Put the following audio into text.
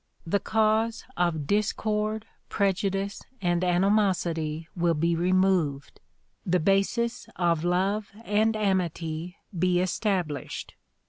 The cause of discord, prejudice and animosity will be removed, the basis of love and amity be established.